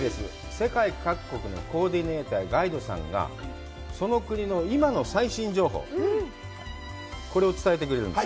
世界各国のコーディネーター、ガイドさんが、その国の今の最新情報、これを伝えてくれるんです。